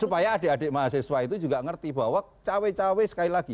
supaya adik adik mahasiswa itu juga ngerti bahwa cawe cawe sekali lagi